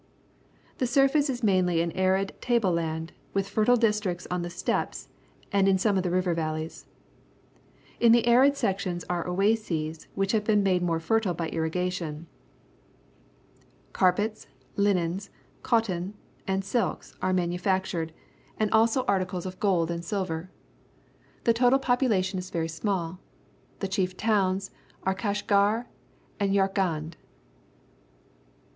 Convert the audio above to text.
The surface is mainly an arid table land, with fertile districts on the steppes and in some of the river valleys. In the arid sec tions are oases, which have been made more fertile by irrigation. Carpftts, linens , cot ton, and silks_ are manuTactured, and also article s of gold and silver. The total popu latioiTTs very small. The chief towns are Kashaar and Yarkand.